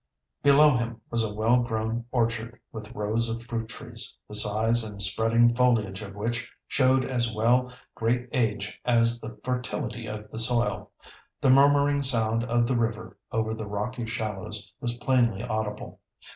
Below him was a well grown orchard, with rows of fruit trees, the size and spreading foliage of which showed as well great age as the fertility of the soil. The murmuring sound of the river over the rocky shallows was plainly audible.